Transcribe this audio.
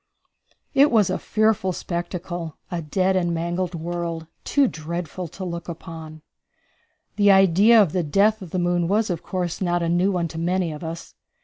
It was a fearful spectacle; a dead and mangled world, too dreadful to look upon. The idea of the death of the moon was, of course, not a new one to many of us.